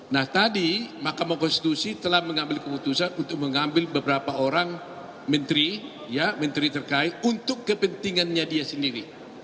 nah tadi makam konstitusi telah mengambil keputusan untuk mengambil beberapa orang menteri terkait untuk kepentingannya dia sendiri